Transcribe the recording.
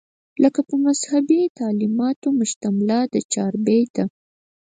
لکه پۀ مذهبي تعليماتو مشتمله دا چاربېته